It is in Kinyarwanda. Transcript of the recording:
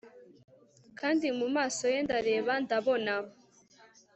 Kandi mumaso ye ndareba ndabona